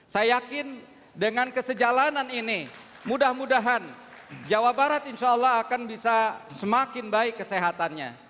saya yakin dengan kesejalanan ini mudah mudahan jawa barat insya allah akan bisa semakin baik kesehatannya